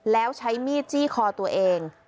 แล้วใช้มีดจี้คอตัวเอง